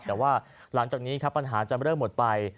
แต่ว่าหลังจากนี้ครับปัญหาจะเริ่มหมดไป